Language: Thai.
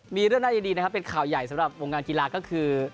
มีเรื่องน่ายินดีนะครับเป็นข่าวใหญ่สำหรับวงการกีฬาก็คือ